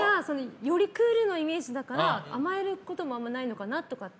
よりクールのイメージだから甘えることもあまりないのかなって。